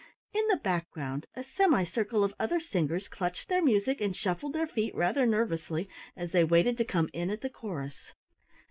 In the background a semicircle of other singers clutched their music and shuffled their feet rather nervously as they waited to come in at the chorus.